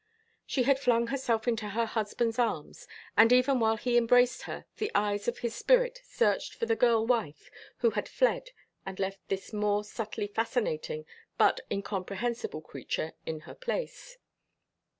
She had flung herself into her husband's arms, and even while he embraced her the eyes of his spirit searched for the girl wife who had fled and left this more subtly fascinating but incomprehensible creature in her place.